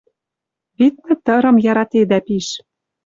Виднӹ, тырым яратедӓ пиш...» —